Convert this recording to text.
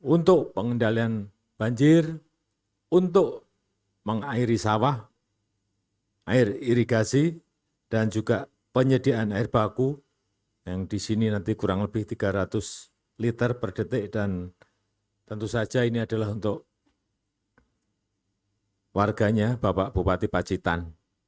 untuk pengendalian banjir untuk mengairi sawah air irigasi dan juga penyediaan air baku yang di sini nanti kurang lebih tiga ratus liter per detik dan tentu saja ini adalah untuk warganya bapak bupati pacitan